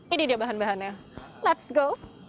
ini dia bahan bahannya let's go